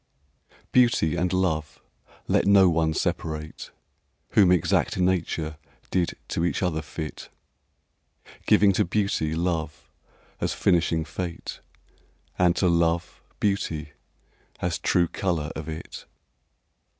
XIX. Beauty and love let no one separate, Whom exact Nature did to each other fit, Giving to Beauty love as finishing fate And to Love beauty as true colour of it.